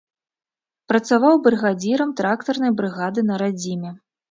Працаваў брыгадзірам трактарнай брыгады на радзіме.